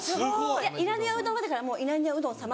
いや稲庭うどんはだからもう稲庭うどん様